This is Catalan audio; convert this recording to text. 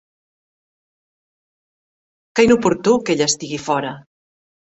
Què inoportú que ella estigui fora!